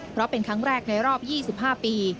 เพราะเป็นครั้งแรกในรอบ๒๕ปี